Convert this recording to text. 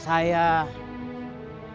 saya bisa berpendidikan tinggi